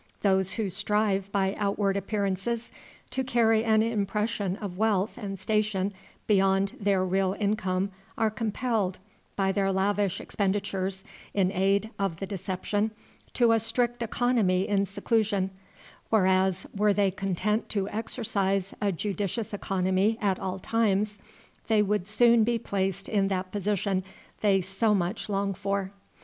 Those who strive by outward appearances to carry an impression of wealth and station beyond their real income are compelled, by their lavish expenditures in aid of the deception, to a strict economy in seclusion, whereas, were they content to exercise a judicious economy at all times, they would soon be placed in that position they so much long for.